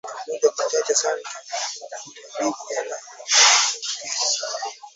Magonjwa machache sana ya kitabibu yanayojitokeza